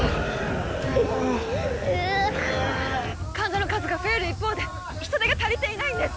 患者の数が増える一方で人手が足りていないんです！